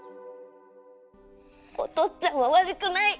お父っつぁんは悪くない！